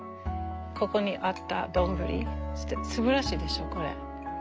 ここにあった丼すばらしいでしょこれ。